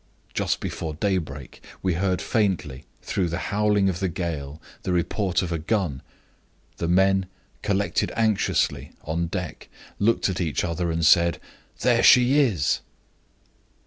Just before daybreak we heard faintly, through the howling of the gale, the report of a gun. The men collected anxiously on deck, looked at each other, and said: 'There she is!